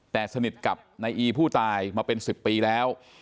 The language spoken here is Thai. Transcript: แต่สนิทกับนายอีผู้ตายมาเป็น๑๐ปีแล้ว